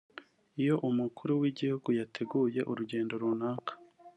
Iyo Umukuru w’Igihugu yateguye urugendo runaka